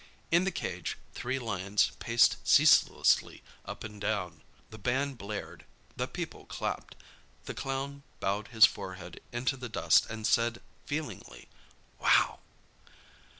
In the cage three lions paced ceaselessly up and down. The band blared. The people clapped. The clown bowed his forehead into the dust and said feelingly, "Wow!"